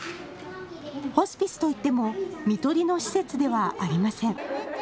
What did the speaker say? ホスピスといってもみとりの施設ではありません。